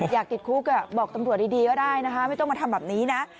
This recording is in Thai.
อยากติดคุกบอกตำรวจดีก็ได้นะคะไม่ต้องมาทำแบบนี้นะ